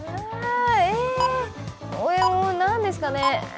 え、何ですかね。